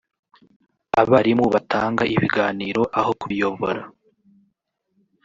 abarimu batanga ibiganiro aho kubiyobora